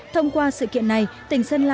thông qua sự kiện này tỉnh sơn la